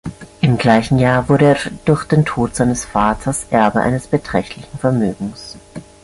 Im gleichen Jahr wurde er durch den Tod seines Vaters Erbe eines beträchtlichen Vermögens.